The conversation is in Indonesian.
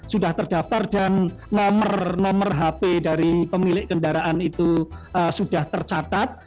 sudah terdaftar dan nomor nomor hp dari pemilik kendaraan itu sudah tercatat